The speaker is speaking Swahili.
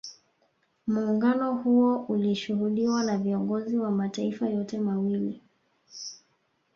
Muungano huo ulishuhudiwa na viongozi wa mataifa yote mawili